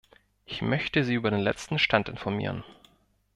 Ich möchte Sie über den letzten Stand informieren.